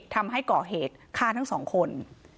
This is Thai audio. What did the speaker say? ทำให้ก่อเหตุฆ่าทั้งสองคน